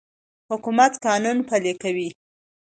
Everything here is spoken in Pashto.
حکومت قانون پلی کوي.